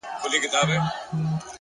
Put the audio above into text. هوښیار انسان لومړی اوري.